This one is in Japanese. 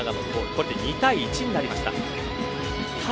これで２対１になりました。